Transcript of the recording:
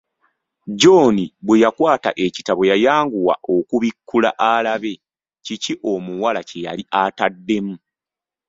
John bwe yakwata ekitabo yayanguwa okubikkula alabe kiki omuwala kye yali ataddemu.